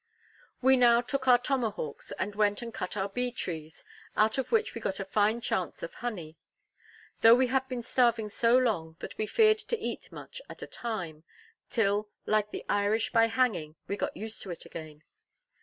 We now took our tomahawks, and went and cut our bee trees, out of which we got a fine chance of honey; though we had been starving so long that we feared to eat much at a time, till, like the Irish by hanging, we got used to it again.